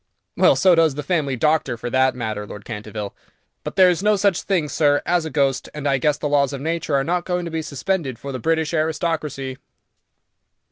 "Well, so does the family doctor for that matter, Lord Canterville. But there is no such thing, sir, as a ghost, and I guess the laws of Nature are not going to be suspended for the British aristocracy."